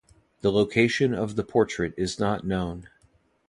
The location of the portrait is not known.